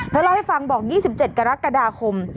เล่าให้ฟังบอก๒๗กรกฎาคม